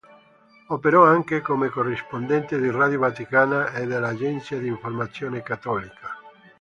Operò anche come corrispondente di Radio Vaticana e dell'Agenzia di informazione cattolica.